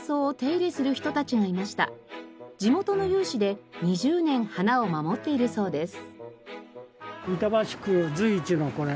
地元の有志で２０年花を守っているそうです。